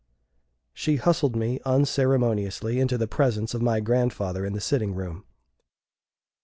She hustled me unceremoniously into the presence of my grandfather in the sitting room.